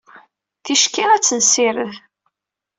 Ticki ad tt-nessired.